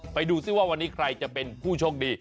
ไปดูซิว่าวันนี้ใครจะเป็นผู้โชคดี